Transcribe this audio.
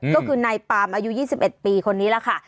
ก็คือนายปามอายุ๒๑ปีคนนี้แหละค่ะ